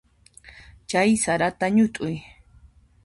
Chay sarata ñut'uy.